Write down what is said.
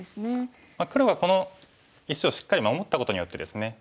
黒はこの石をしっかり守ったことによってですね